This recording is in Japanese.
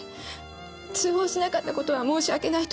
通報しなかった事は申し訳ないと思ってます。